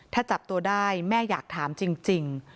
ถ้าจับตัวได้แม่อยากถามจริง